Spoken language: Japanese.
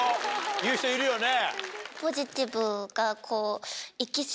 言う人いるよね。